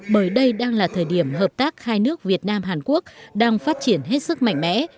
bởi đây đang là thời điểm hợp tác hai nước việt nam hàn quốc đang phát triển hết sức mạnh mẽ